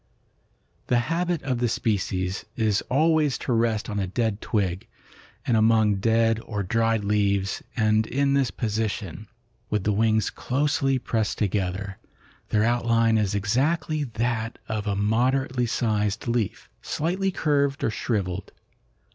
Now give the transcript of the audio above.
"The habit of the species is always to rest on a dead twig and among dead or dried leaves, and in this position, with the wings closely pressed together, their outline is exactly that of a moderately sized leaf, slightly curved or shrivelled.